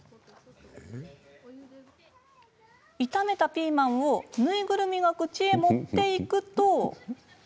炒めたピーマンを縫いぐるみが口に持っていくと。